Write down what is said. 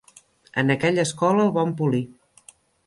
En aquella escola el van polir.